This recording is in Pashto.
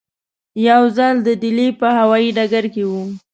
یو ځل د ډیلي په هوایي ډګر کې وو.